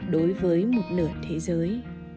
đối với một nửa thế giới